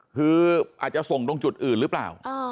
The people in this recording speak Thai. คืออาจจะส่งตรงจุดอื่นหรือเปล่า